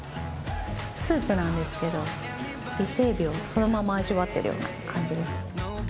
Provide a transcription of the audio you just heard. スープなんですけど伊勢海老をそのまま味わってるような感じです。